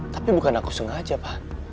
tapi bukan aku sengaja pak